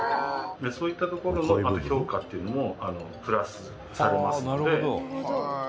「そういったところのまた評価っていうのもプラスされますので」